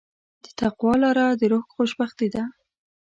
د تقوی لاره د روح خوشبختي ده.